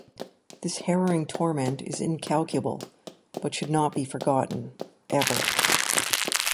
This harrowing torment is incalculable but should not be forgotten, "ever".